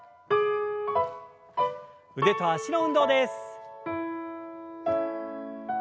腕と脚の運動です。